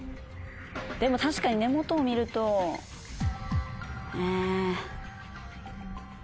でも確かに根元を見るとえ。